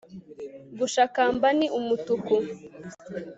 gashakamba ni umutuku